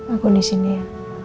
aku disini ya